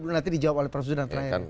nanti dijawab oleh prof zudan terakhir